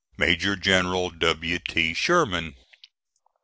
"MAJOR GENERAL W. T. SHERMAN."